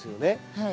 はい。